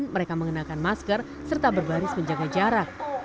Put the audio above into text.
mereka mengenakan masker serta berbaris menjaga jarak